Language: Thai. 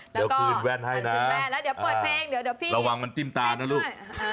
เดี๋ยวคืนแว่นให้นะระวังมันจิ้มตานะลูก